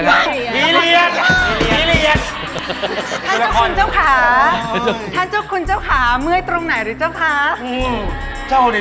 ซุ้มสั่งสำหรับเขามา